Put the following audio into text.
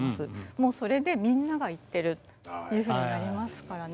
もうそれで「みんなが言ってる」っていうふうになりますからね。